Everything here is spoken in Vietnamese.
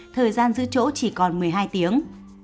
ngoài hạn giữ chỗ vẽ tàu sẽ được trả về hệ thống